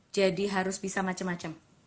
jadi harus bisa macam macam